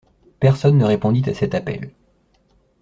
Personne ne répondit à cet appel.